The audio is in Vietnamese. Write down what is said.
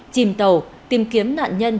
chìm tàu tìm kiếm nạn nhân